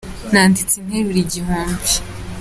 Naditse interuro igihumbi.